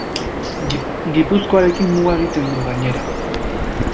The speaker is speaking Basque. Gipuzkoarekin muga egiten du, gainera.